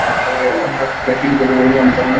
আমরাই একটা সিদ্ধান্ত নিব, আমি যাব না।